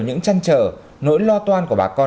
những tranh trở nỗi lo toan của bà con